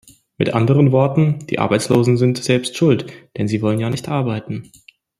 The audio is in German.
Mit anderen Worten, die Arbeitslosen sind selbst schuld, denn sie wollen ja nicht arbeiten!!